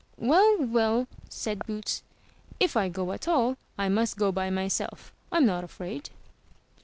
''Well, well!" said Boots; *1f I go at all, I must go by myself. Fm not afraid."